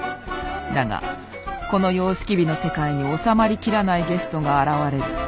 だがこの様式美の世界に収まりきらないゲストが現れる。